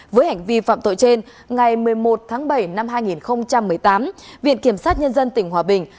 với hành vi phạm tội trên ngày một mươi một tháng bảy năm hai nghìn một mươi tám viện kiểm sát nhân dân tỉnh hòa bình